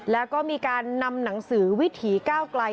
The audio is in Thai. แล้วก็มีการนำหนังสือวิถีก้าวไกล